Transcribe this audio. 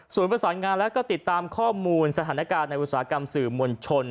ส่วนประสานงานและก็ติดตามข้อมูลสถานการณ์ในอุตสาหกรรมสื่อมวลชน